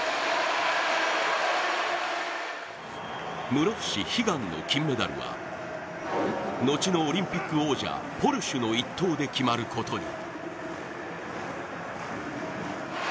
室伏、悲願の金メダルは後のオリンピック王者ポルシュの１投で決まることに。